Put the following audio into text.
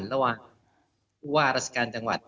ระหว่างผู้ว่าราชการจังหวัด